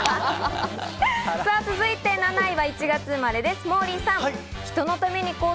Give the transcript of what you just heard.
続いて７位は１月生まれです、モーリーさん。